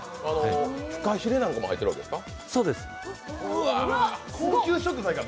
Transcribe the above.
フカヒレなんかも入っているわけですか？